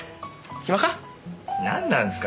暇か？